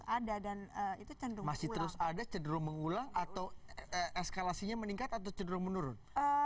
masih terus ada cenderung mengulang atau eskalasinya meningkat atau cenderung menurun